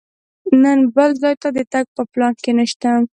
نن بل ځای ته تګ په پلان کې نه شته.